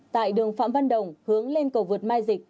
tại đường phạm văn đồng hướng lên cầu vượt mai dịch